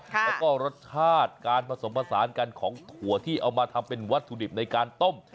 แล้วก็รสชาติการผสมผสานกันของถั่วที่เอามาทำเป็นวัตถุดิบในการต้ม